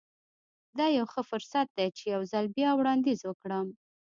دا يو ښه فرصت دی چې يو ځل بيا وړانديز وکړم.